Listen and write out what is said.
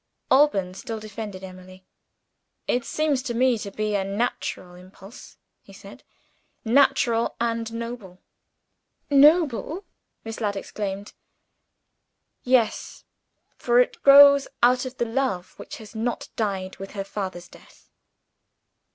Alban still defended Emily. "It seems to me to be a natural impulse," he said "natural, and noble." "Noble!" Miss Ladd exclaimed. "Yes for it grows out of the love which has not died with her father's death."